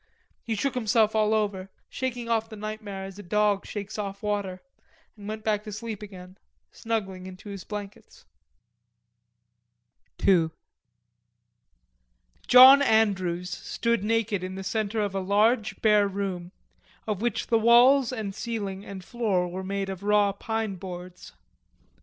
He shook himself all over, shaking off the nightmare as a dog shakes off water, and went back to sleep again, snuggling into his blankets. II John Andrews stood naked in the center of a large bare room, of which the walls and ceiling and floor were made of raw pine boards.